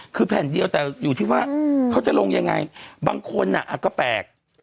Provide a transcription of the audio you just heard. คือแผ่นเดียวแต่อยู่ที่ว่าเขาจะลงยังไงบางคนก็แปลก